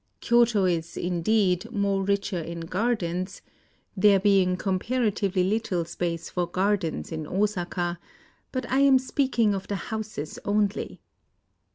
Kyoto is, indeed, much richer in gardens, — there being comparatively little space for gar dens in Osaka; but I am speaking of the houses only.